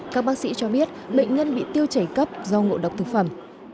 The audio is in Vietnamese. các bác sĩ cho biết bệnh nhân bị tiêu chảy cấp do ngộ độc thực phẩm